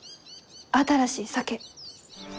新しい酒。